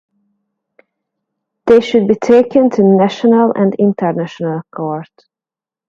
They should be taken to national and international court.